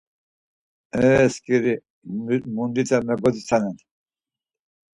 E sǩiri mundite megodzitsanen.